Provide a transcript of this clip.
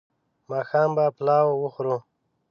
ماښام به پلاو وخورو